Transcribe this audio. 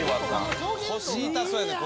腰痛そうやね腰。